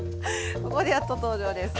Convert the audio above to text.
ここでやっと登場です。